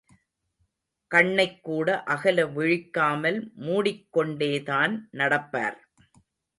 கண்ணைக்கூட அகல விழிக்காமல் மூடிக் கொண்டேதான் நடப்பார்.